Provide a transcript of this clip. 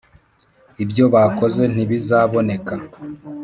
ibyo bakoze ntibizabneka.